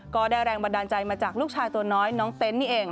ก็ได้แรงบันดาลใจมาจากลูกชายตัวน้อยน้องเต้นนี่เอง